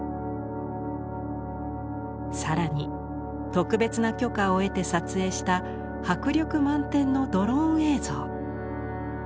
更に特別な許可を得て撮影した迫力満点のドローン映像。